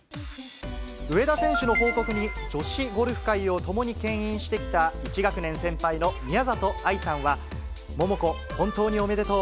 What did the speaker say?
上田選手の報告に、女子ゴルフ界をともにけん引してきた、１学年先輩の宮里藍さんは、桃子、本当におめでとう。